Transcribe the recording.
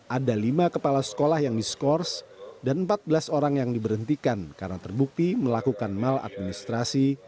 ada lima kepala sekolah yang diskors dan empat belas orang yang diberhentikan karena terbukti melakukan maladministrasi